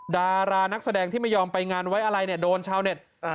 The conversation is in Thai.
ดารานักแสดงที่ไม่ยอมไปงานไว้อะไรเนี่ยโดนชาวเน็ต